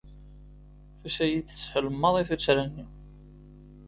Tusa-yi-d teshel maḍi tuttra-nni.